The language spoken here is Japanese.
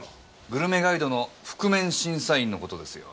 グルメガイドの覆面審査員のことですよ。